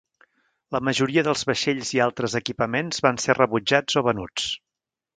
La majoria dels vaixells i altres equipaments van ser rebutjats o venuts.